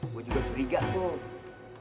gua juga curiga tuh